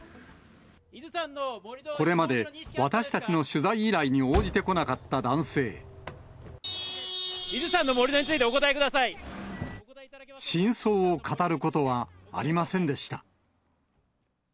これまで私たちの取材依頼に応じ伊豆山の盛り土についてお答真相を語ることはありませんでした。